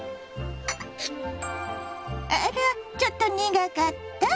あらっちょっと苦かった？